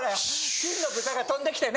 金の豚が飛んできてね